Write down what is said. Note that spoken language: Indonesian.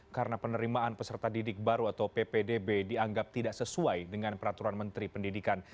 karena penerimaan peserta didik baru atau ppdb dianggap tidak sesuai dengan peraturan menteri pendidikan